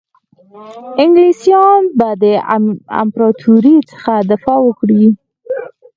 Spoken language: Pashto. انګلیسیان به د امپراطوري څخه دفاع وکړي.